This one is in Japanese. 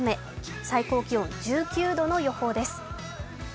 最高気温１９度の予想です。